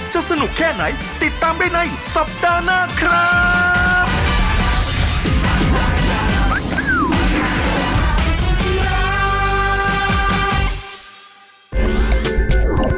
สนุกแค่ไหนติดตามได้ในสัปดาห์หน้าครับ